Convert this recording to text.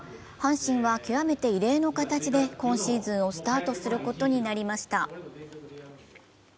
阪神は極めて異例の形で今シーズンをスタートすることになりました。